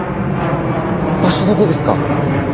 場所どこですか？